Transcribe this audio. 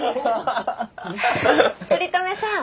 鳥留さん。